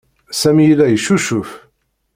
Sami yella yeccucuf.